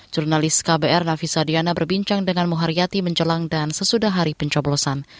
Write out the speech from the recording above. jurnalis kbr nafi sadiana berbincang dengan muharyati menjelang dan sesudah hari pencoblosan